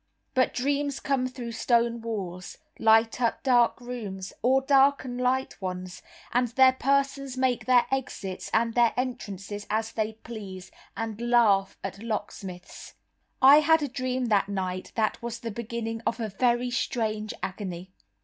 But dreams come through stone walls, light up dark rooms, or darken light ones, and their persons make their exits and their entrances as they please, and laugh at locksmiths. I had a dream that night that was the beginning of a very strange agony.